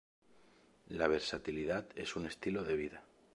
La versatilidad es un estilo de vida.